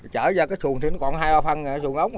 chở ra cái sùn thì nó còn hai ba phân sùn ốc